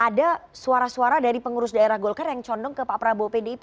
ada suara suara dari pengurus daerah golkar yang condong ke pak prabowo pdip